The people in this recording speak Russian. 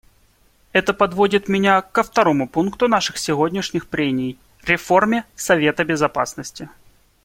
Это подводит меня ко второму пункту наших сегодняшних прений — реформе Совета Безопасности.